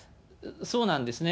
そうなんですね。